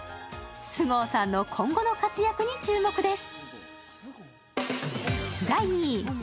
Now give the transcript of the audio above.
菅生さんの今後の活躍に注目です。